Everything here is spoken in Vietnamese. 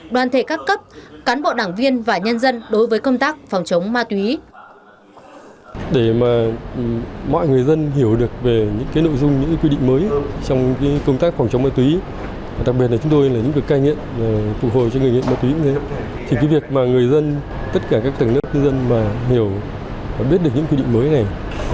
đoàn thể các cấp cán bộ đảng viên và nhân dân đối với công tác phòng chống ma túy